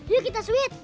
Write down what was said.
yuk kita sweet